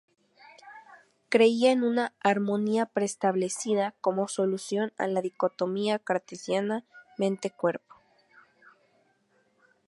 Creía en una "armonía preestablecida" como solución a la dicotomía cartesiana mente-cuerpo.